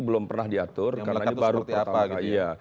belum pernah diatur yang melekat itu seperti apa